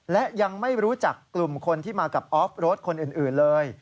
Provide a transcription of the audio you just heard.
และยังไม่รู้จักกลุ่มคนที่มากับออฟรถคนอื่นเลย